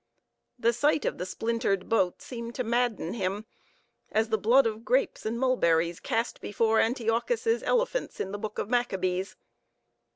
The sight of the splintered boat seemed to madden him, as the blood of grapes and mulberries cast before Antiochus's elephants in the book of Maccabees.